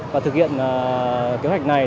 và thực hiện kế hoạch này